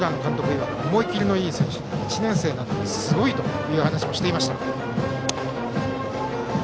いわく思い切りのいい選手で１年生ながらすごいという話もしていました。